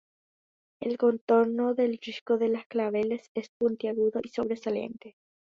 El contorno del Risco de los Claveles es puntiagudo y sobresaliente.